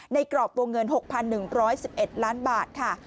กรอบวงเงิน๖๑๑๑๑๑ล้านบาทค่ะ